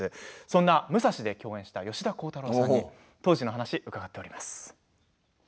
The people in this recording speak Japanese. そんな「ムサシ」で共演した吉田鋼太郎さんに当時の話を伺っております。